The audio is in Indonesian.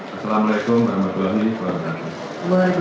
assalamu'alaikum warahmatullahi wabarakatuh